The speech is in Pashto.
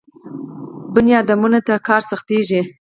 بني ادمانو ته کار سختېږي.